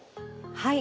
はい。